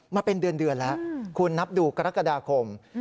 มาเป็นเดือนแล้วคุณนับดูกรกฎาคม